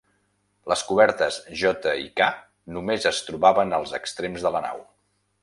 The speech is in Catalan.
Les cobertes J i K només es trobaven als extrems de la nau.